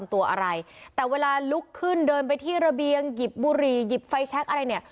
ตัวอะไรแต่เวลาลุกขึ้นเดินไปที่ระเบียงหยิบบุหรี่หยิบไฟแชคอะไรเนี่ย